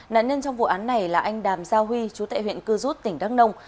nạn nhân trong vụ án này là anh đàm giao huy chú tại huyện cư rút tỉnh đắk nông